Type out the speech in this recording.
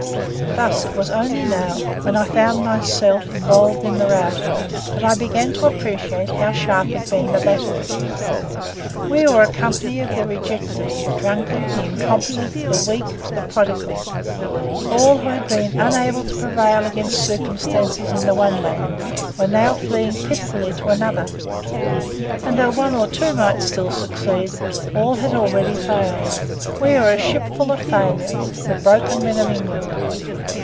Thus it was only now, when I found myself involved in the rout, that I began to appreciate how sharp had been the battle. We were a company of the rejected; the drunken, the incompetent, the weak, the prodigal, all who had been unable to prevail against circumstances in the one land, were now fleeing pitifully to another; and though one or two might still succeed, all had already failed. We were a shipful of failures, the broken men of England.